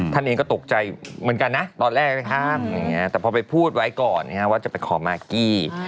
ท่านเองก็ตกใจเหมือนกันนะตอนแรกนะครับแต่พอไปพูดไว้ก่อนว่าจะไปขอมากกี้